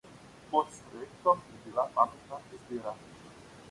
Pot s trajektom je bila pametna izbira.